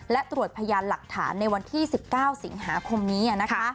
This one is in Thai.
และตรวจพยานหลักฐานในวันที่๑๙สิงหาคมนี้